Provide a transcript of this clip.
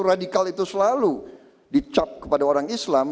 radikal itu selalu dicap kepada orang islam